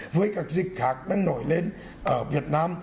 với các dịch khác đang nổi lên ở việt nam